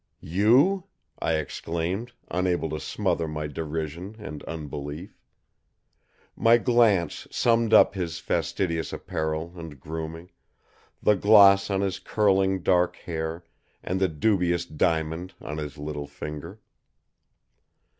"You?" I exclaimed, unable to smother my derision and unbelief. My glance summed up his fastidious apparel and grooming, the gloss on his curling dark hair and the dubious diamond on his little finger.